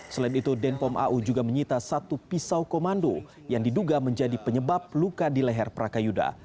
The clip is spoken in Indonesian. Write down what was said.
selain itu denpom au juga menyita satu pisau komando yang diduga menjadi penyebab luka di leher prakayuda